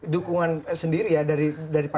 dukungan sendiri ya dari pandu lain